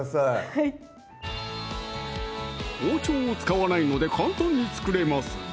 はい包丁を使わないので簡単に作れますぞ！